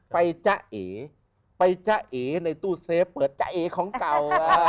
จ๊ะเอไปจ๊ะเอในตู้เซฟเปิดจ้าเอของเก่า